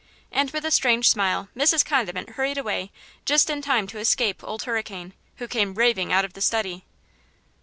And, with a strange smile, Mrs. Condiment hurried away just in time to escape Old Hurricane, who came raving out of the study.